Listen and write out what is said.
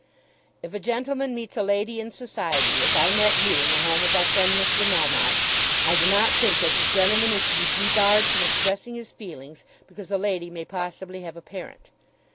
If a gentleman meets a lady in society, as I met you in the home of our friend Mr. Melmotte, I do not think that the gentleman is to be debarred from expressing his feelings because the lady may possibly have a parent.